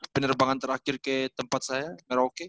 penerbangan terakhir ke tempat saya merauke